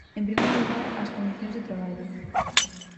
En primeiro lugar, as condicións de traballo.